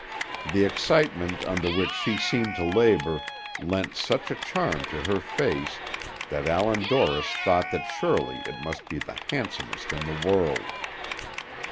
The excitement under which she seemed to labor lent such a charm to her face that Allan Dorris thought that surely it must be the handsomest in the world.